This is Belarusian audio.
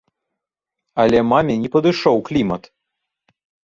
Але маме не падышоў клімат.